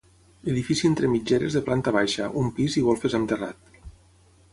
Edifici entre mitgeres de planta baixa, un pis i golfes amb terrat.